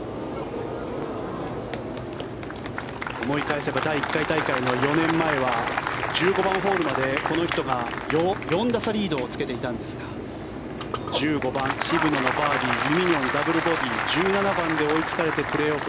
思い返せば第１回大会の４年前は１５番ホールまでこの人が４打差リードをつけていたんですが１５番、渋野のバーディーイ・ミニョンダブルボギー１７番で追いつかれてプレーオフ。